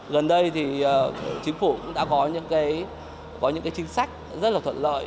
gần đây thì chính phủ cũng đã có những cái chính sách rất là thuận lợi